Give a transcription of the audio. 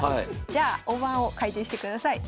じゃあ大盤を回転してください。